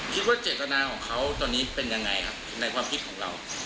คิดว่าเจตนาของเขาตอนนี้เป็นยังไงครับในความคิดของเรา